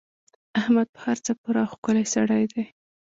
احمد په هر څه پوره او ښکلی سړی دی.